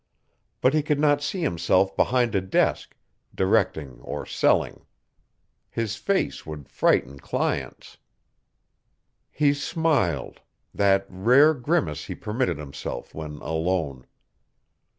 But he could not see himself behind a desk, directing or selling. His face would frighten clients. He smiled; that rare grimace he permitted himself when alone.